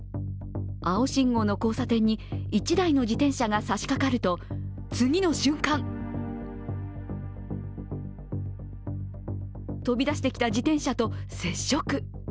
青信号の交差点に１台の自転車が差しかかると、次の瞬間飛び出してきた自転車と接触。